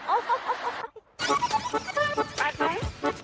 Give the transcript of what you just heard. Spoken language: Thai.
โอ๊ย